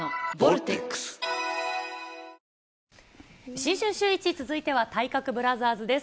新春シューイチ、続いては、体格ブラザーズです。